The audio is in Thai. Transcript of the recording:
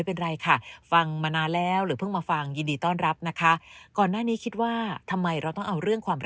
โอ้ยยินดีที่สุดเลยค่ะ